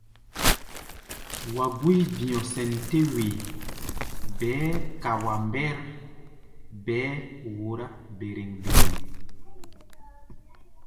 Wa gúí bi̧ɔ̧ sɛn tɛ́ wee, bɛɛ́ ka wa mbɛ́r bɛɛ́ wora béréŋ-béréŋ.